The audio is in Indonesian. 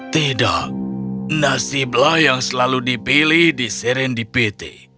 tidak nasiblah yang selalu dipilih di serendipiti